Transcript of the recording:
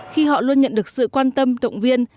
khi họ luôn nhận được sự quan tâm động viên